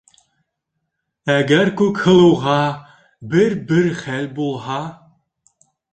Әгәр Күкһылыуға бер-бер хәл булһа...